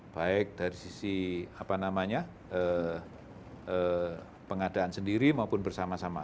baik dari sisi pengadaan sendiri maupun bersama sama